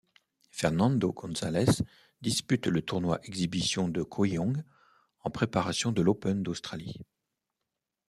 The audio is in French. Fernando Gonzalez dispute le tournoi exhibition de Kooyong en préparation de l'Open d'Australie.